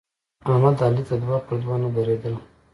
احمد علي ته دوه پر دوه نه درېدل.